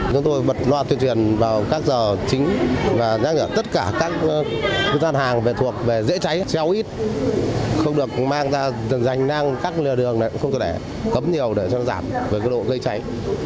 chúng tôi bật loa tuyên truyền vào các giờ chính và nhắc nhở tất cả các dân hàng về thuộc về dễ cháy xeo ít không được mang ra dành năng các lửa đường này không được để cấm nhiều để cho nó giảm với cái độ gây cháy